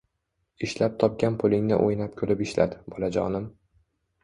Ishlab topgan pulingni oʻynab-kulib ishlat, bolajonim!